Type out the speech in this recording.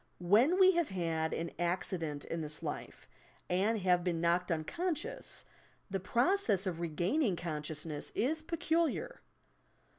When we have had an accident in this life, and have been knocked unconscious, the process of regaining consciousness is peculiar.